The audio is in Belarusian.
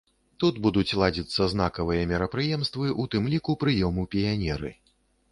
Тут будуць ладзіцца знакавыя мерапрыемствы, у тым ліку прыём у піянеры.